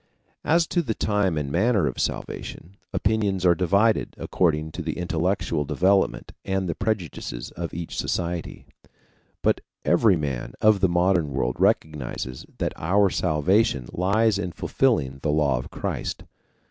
As to the time and manner of salvation, opinions are divided according to the intellectual development and the prejudices of each society. But every man of the modern world recognizes that our salvation lies in fulfilling the law of Christ.